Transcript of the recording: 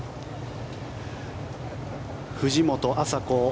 藤本麻子